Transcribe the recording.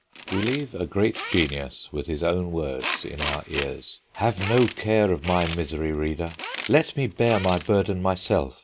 We leave a great genius, with his own words in our ears: "Have no care of my misery, reader; let me bear my burden myself.